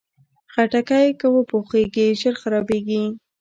خټکی که وپوخېږي، ژر خرابېږي.